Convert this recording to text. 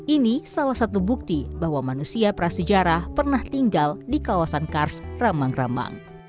ini salah satu bukti bahwa manusia prasejarah pernah tinggal di kawasan kars ramang ramang